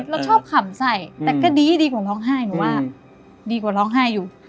เราชอบขำใส่แต่ก็ดีดีกว่าร้องไห้หนูว่าดีกว่าร้องไห้อยู่